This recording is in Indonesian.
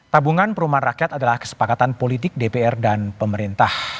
tabungan perumahan rakyat adalah kesepakatan politik dpr dan pemerintah